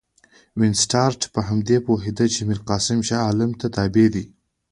وینسیټارټ په دې پوهېدی چې میرقاسم شاه عالم ته تابع دی.